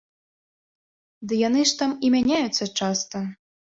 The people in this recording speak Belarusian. Ды яны ж там і мяняюцца часта.